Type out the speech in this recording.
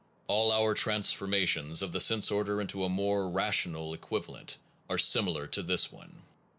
All our transformations of the sense order into a more rational equiva lent are similar to this one.